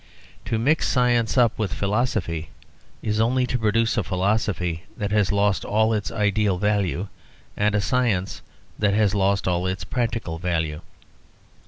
To mix science up with philosophy is only to produce a philosophy that has lost all its ideal value and a science that has lost all its practical value.